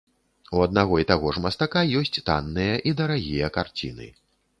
У аднаго і таго ж мастака ёсць танныя і дарагія карціны.